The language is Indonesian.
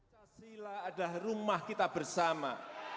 pancasila adalah rumah kita bersama